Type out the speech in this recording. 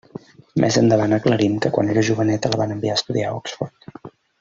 Més endavant aclarim que quan era joveneta la van enviar a estudiar a Oxford.